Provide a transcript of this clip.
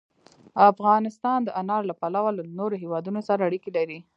افغانستان د انار له پلوه له نورو هېوادونو سره اړیکې لري.